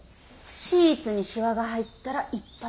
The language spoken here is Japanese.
シーツにしわが入ったら一発アウト。